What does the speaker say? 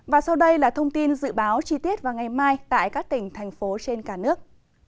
và sau đây là thông tin dự báo chi tiết vào ngày mai tại các tỉnh thành phố trên cả nước